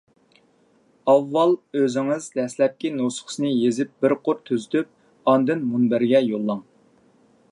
ئاۋۋال ئۆزىڭىز دەسلەپكى نۇسخىسىنى يېزىپ بىرەر قۇر تۈزىتىپ، ئاندىن مۇنبەرگە يوللاڭ.